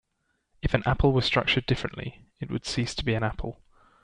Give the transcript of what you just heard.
If an apple was structured differently, it would cease to be an apple.